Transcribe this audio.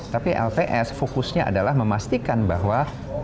tapi lps fokusnya adalah memastikan bahwa